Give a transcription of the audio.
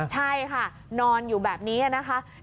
ใช่ค่ะนอนอยู่แบบนี้นะคะ